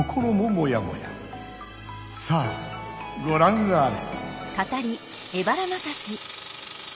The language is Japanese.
さあごらんあれ！